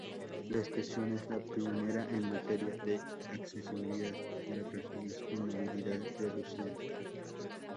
La estación es la pionera en materia de accesibilidad para personas con movilidad reducida.